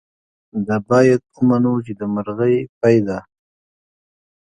دا باید ومنو چې د مرغۍ پۍ ده.